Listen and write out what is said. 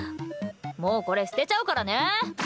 もうこれ捨てちゃうからね。